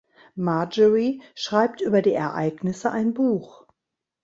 Marjorie schreibt über die Ereignisse ein Buch.